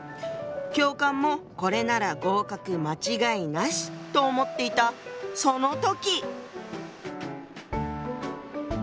教官もこれなら合格間違いなしと思っていたその時！